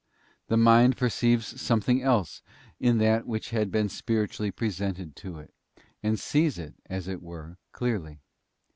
The mind perceives some thing else in that which had been spiritually presented to it, and sees it, as it were, clearly.